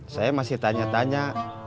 saya masih tanya tanya